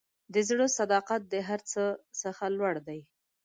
د زړه صداقت د هر څه څخه لوړ دی.